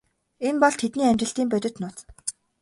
Энэ бол тэдний амжилтын бодит нууц.